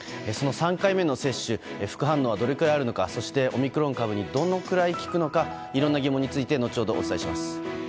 その３回目の接種副反応はどれくらいあるのかそしてオミクロン株にどのくらい効くのかいろんな疑問について後ほどお伝えします。